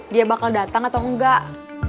dia bakal datang atau enggak